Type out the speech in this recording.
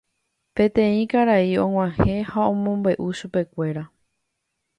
Peteĩ karai og̃uahẽ ha omombe'u chupekuéra.